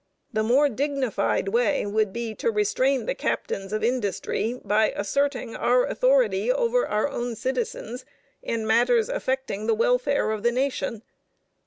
The more dignified way would be to restrain the captains of industry, by asserting our authority over our own citizens in matters affecting the welfare of the nation.